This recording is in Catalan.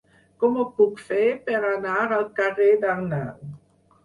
Com ho puc fer per anar al carrer d'Arnau?